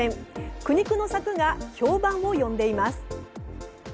苦肉の策が評判を呼んでいます。